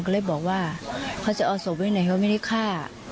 ก็เลยบอกว่าเขาจะเอาศพไว้ไหนเขาไม่ได้ฆ่า